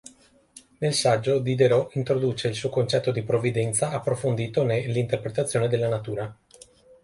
Nel saggio, Diderot introduce il suo concetto di provvidenza, approfondito ne "L'interpretazione della natura".